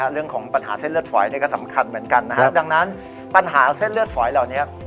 เรื่องของปัญหาเส้นเลือดฝอยนี่ก็สำคัญเหมือนกันนะครับดังนั้นปัญหาเส้นเลือดฝอยเหล่านี้